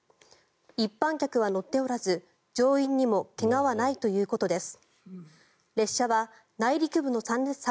一般客は乗っておらず、乗員にも怪我はないということです。